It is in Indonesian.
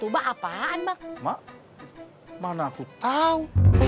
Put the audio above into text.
ma'am mana aku tau